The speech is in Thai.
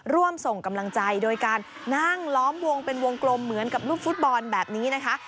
ร่วมส่งกำลังใจโดยการนั่งล้อมวงเป็นวงกลมเหมือนกับลูกฟุตบอลแบบนี้นะคะ